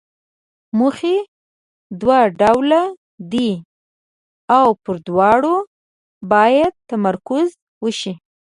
موخې دوه ډوله دي او پر دواړو باید تمرکز وشي.